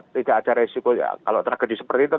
tidak ada resiko kalau tragedi seperti itu